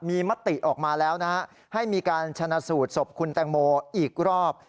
มีมติออกมาแล้วให้มีการชะนสูดสบคุณแตงโมอีกรอบ